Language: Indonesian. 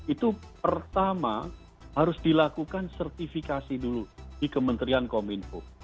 itu pertama harus dilakukan sertifikasi dulu di kementerian kominfo